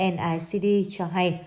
nicd cho hay